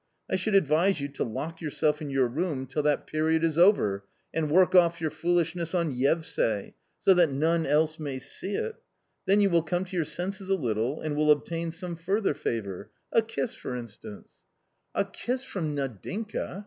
I should advise you to lock yourself in your room till that period is over and work off your foolishness on Yevsay, so that none else may see it Then you will come to your senses a little, and will obtain some further favour — a kiss for instance." \ 72 A COMMON STORY " A kiss from Nadinka